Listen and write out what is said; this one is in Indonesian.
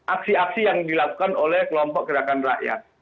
aksi aksi yang dilakukan oleh kelompok gerakan rakyat